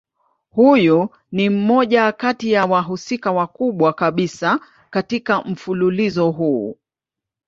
Huyu ni mmoja kati ya wahusika wakubwa kabisa katika mfululizo huu.